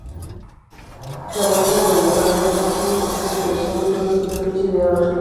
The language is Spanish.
La Guayana venezolana constituye, al contrario que los Llanos, una superficie de erosión.